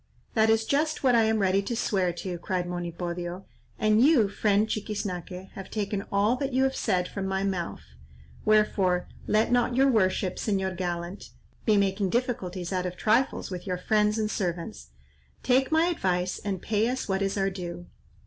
"That is just what I am ready to swear to," cried Monipodio; "and you, friend Chiquiznaque, have taken all that you have said from my mouth; wherefore let not your worship, Señor gallant, be making difficulties out of trifles with your friends and servants. Take my advice and pay us what is our due.